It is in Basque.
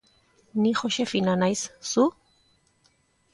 Ni Joxefina naiz, zu?